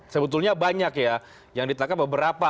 sebetulnya banyak ya yang ditangkap beberapa